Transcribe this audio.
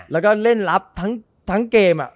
แล้วก็เล่นลับทั้งเกม